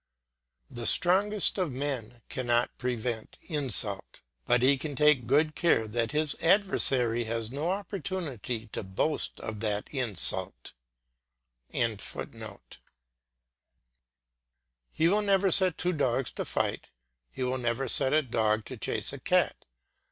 The strongest of men cannot prevent insult, but he can take good care that his adversary has no opportunity to boast of that insult.] He will never set two dogs to fight, he will never set a dog to chase a cat.